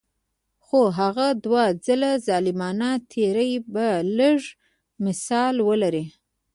خو هغه دوه ځله ظالمانه تیری به لږ مثال ولري.